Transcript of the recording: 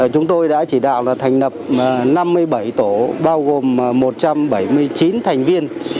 chúng tôi đã chỉ đạo là thành lập năm mươi bảy tổ bao gồm một trăm bảy mươi chín thành viên